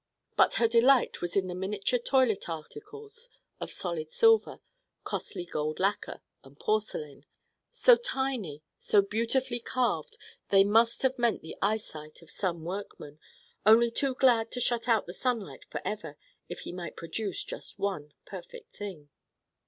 But her delight was in the miniature toilet articles of solid silver, costly gold lacquer, and porcelain, so tiny, so beautifully carved they must have meant the eyesight of some workman, only too glad to shut out the sunlight forever if he might produce just one perfect thing.